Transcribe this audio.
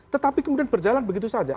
tetapi kemudian berjalan begitu saja